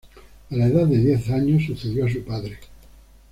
A la edad de diez años sucedió a su padre.